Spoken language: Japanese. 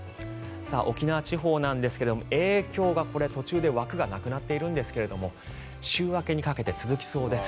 沖縄地方なんですが影響がこれ、途中で枠がなくなっているんですが週明けにかけて続きそうです。